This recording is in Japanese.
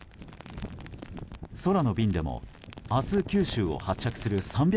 空の便でも明日、九州を発着する３００